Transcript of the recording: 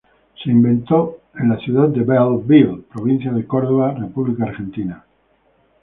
Se inventó en la ciudad de Bell Ville, Provincia de Córdoba, República Argentina.